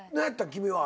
君は。